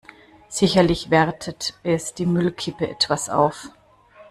Sicherlich wertet es die Müllkippe etwas auf.